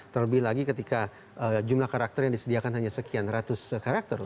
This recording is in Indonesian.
terlebih lagi ketika jumlah karakter yang disediakan hanya sekian ratus karakter